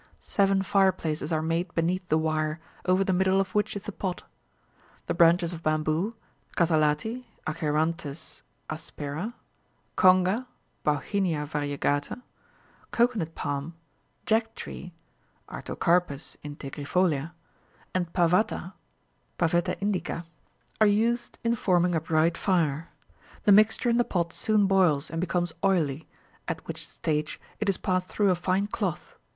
Seven fireplaces are made beneath the wire, over the middle of which is the pot. The branches of bamboo, katalati (Achyranthes aspera), conga (Bauhinia variegata), cocoanut palm, jack tree (Artocarpus integrifolia), and pavatta (Pavetta indica), are used in forming a bright fire. The mixture in the pot soon boils and becomes oily, at which stage it is passed through a fine cloth.